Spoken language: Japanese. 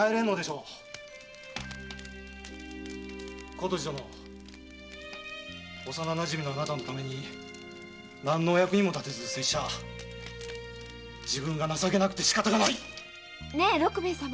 琴路殿幼なじみのあなたのために何の役にも立てず拙者自分が情けなくて仕方がない！ねえ六兵衛様。